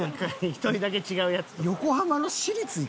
１人だけ違うやつ。